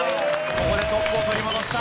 ここでトップを取り戻した。